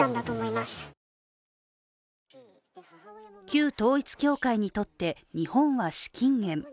旧統一教会にとって日本は資金源。